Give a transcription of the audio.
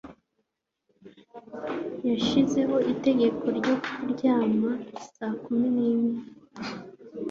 Yashyizeho itegeko ryo kuryama saa kumi n'imwe.